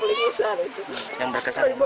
petugas menangkap rakyat di rumah